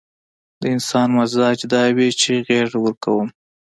د انسان مزاج دا وي چې غېږه ورکوم.